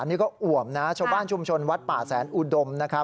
นี่ก็อ่วมนะชาวบ้านชุมชนวัดป่าแสนอุดมนะครับ